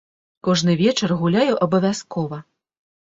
Кожны вечар гуляю абавязкова.